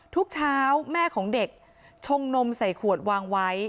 ที่ห้องเด็กชงนมใส่ขวดวางไว้